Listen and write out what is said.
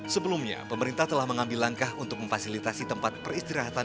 sebelumnya pemerintah telah mengambil langkah untuk memfasilitasi tempat peristirahatan